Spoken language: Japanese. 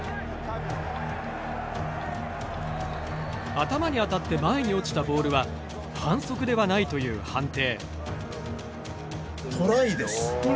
頭に当たって前に落ちたボールは反則ではないという判定。